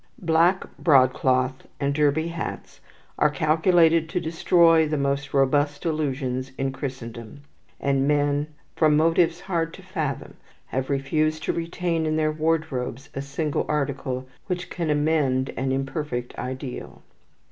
Black broadcloth and derby hats are calculated to destroy the most robust illusions in Christendom; and men from motives hard to fathom have refused to retain in their wardrobes a single article which can amend an imperfect ideal.